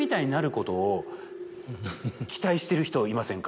してる人いませんか？